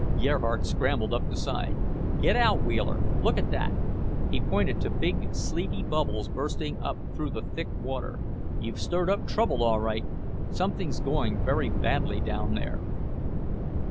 Gerhardt scrambled up the side. "Get out, Wheeler! Look at that," he pointed to big sleepy bubbles, bursting up through the thick water. "You've stirred up trouble, all right! Something's going very bad down there."